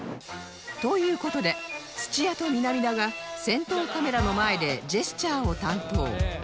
という事で土屋と南田が先頭カメラの前でジェスチャーを担当